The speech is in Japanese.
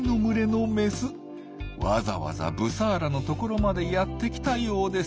わざわざブサーラのところまでやって来たようです。